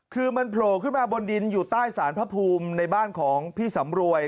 คือมันโผล่ขึ้นมาบนดินอยู่ใต้สารพระภูมิในบ้านของพี่สำรวย